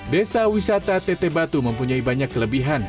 desa wisata teteh batu mempunyai banyak kelebihan